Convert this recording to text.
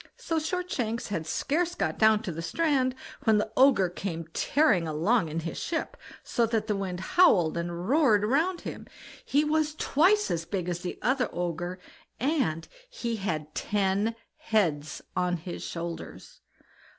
So Shortshanks had scarce got down to the strand, when the Ogre came tearing along in his ship, so that the wind howled and roared around him; he was twice as big as the other Ogre, and he had ten heads on his shoulders.